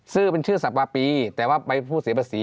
ซื้อเป็นชื่อสับวาปีแต่ว่าใบผู้เสียภาษี